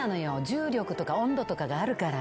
重力とか温度とかがあるから。